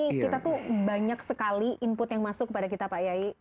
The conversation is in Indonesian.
tapi kita tuh banyak sekali input yang masuk kepada kita pak yai